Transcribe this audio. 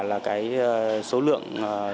là cái số lượng